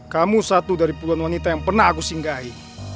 kamu satu dari puluhan wanita yang pernah aku singgahi